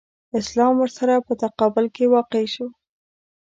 اسلام ورسره په تقابل کې واقع شو.